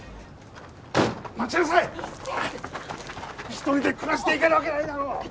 一人で暮らしていけるわけないだろう！